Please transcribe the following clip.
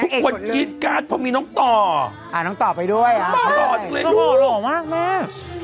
ทุกคนยินการเพราะมีน้องต่ออ่าน้องต่อไปด้วยอ่าหล่อมากแม่